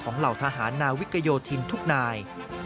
เหล่าทหารนาวิกโยธินทุกนาย